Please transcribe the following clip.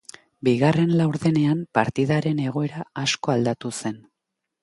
Bigarren laurdenean partidaren egoera asko aldatu zen.